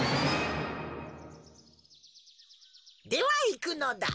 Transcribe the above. ではいくのだ。